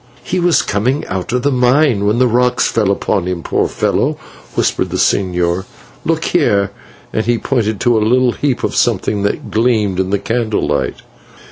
"He was coming out of the mine when the rock fell upon him, poor fellow," whispered the señor. "Look here," and he pointed to a little heap of something that gleamed in the candle light.